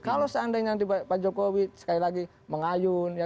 kalau seandainya pak jokowi sekali lagi mengayun